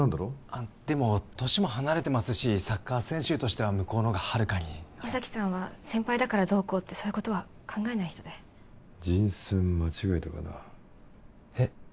あっでも年も離れてますしサッカー選手としては向こうの方がはるかに矢崎さんは先輩だからどうこうってそういうことは考えない人で人選間違えたかなえっ？